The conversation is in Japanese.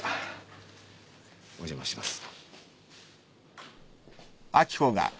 お邪魔します。